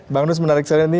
bang nus menarik sekali ini